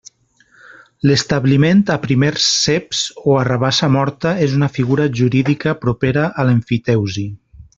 L'establiment a primers ceps o rabassa morta és una figura jurídica propera a l'emfiteusi.